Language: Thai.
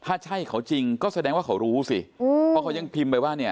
ถ้าใช่เขาจริงก็แสดงว่าเขารู้สิเพราะเขายังพิมพ์ไปว่าเนี่ย